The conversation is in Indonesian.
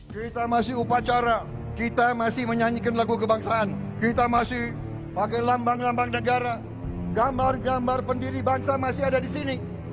kita masih upacara kita masih menyanyikan lagu kebangsaan kita masih pakai lambang lambang negara gambar gambar pendiri bangsa masih ada di sini